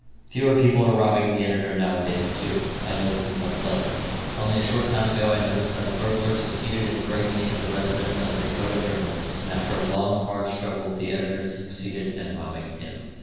Fewer people are robbing the editor now a days, too, I notice with much pleasure. Only a short time ago I noticed that a burglar succeeded in breaking into the residence of a Dakota journalist, and after a long, hard struggle the editor succeeded in robbing him.